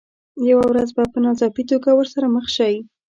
یوه ورځ به په ناڅاپي توګه ورسره مخ شئ.